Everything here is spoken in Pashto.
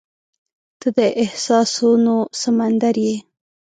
• ته د احساسونو سمندر یې.